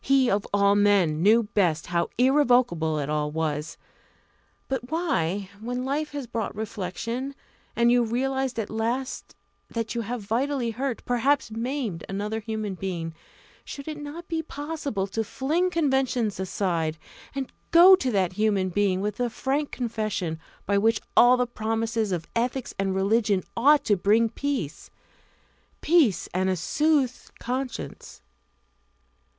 He of all men knew best how irrevocable it all was. But why, when life has brought reflection, and you realise at last that you have vitally hurt, perhaps maimed, another human being, should it not be possible to fling conventions aside, and go to that human being with the frank confession which by all the promises of ethics and religion ought to bring peace peace and a soothed conscience?